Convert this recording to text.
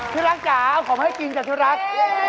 ชุดรักจ๋าขอให้กินจากชุดรัก